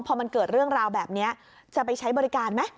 พอมันเกิดเรื่องราวแบบนี้จะไปใช้บริการไหม